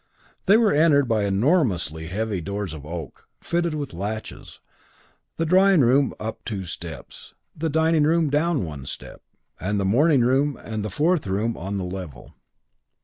They were entered by enormously heavy doors of oak, fitted with latches, the drawing room up two steps, the dining room down one step and the morning room and the fourth room on the level.